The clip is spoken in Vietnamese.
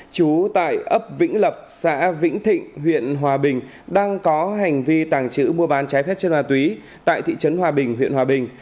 chú tại ấp vĩnh lập xã vĩnh thịnh huyện hòa bình đang có hành vi tàng trữ mua bán trái phép chất ma túy tại thị trấn hòa bình huyện hòa bình